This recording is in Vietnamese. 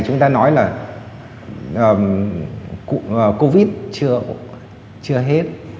tôi nói là covid chưa hết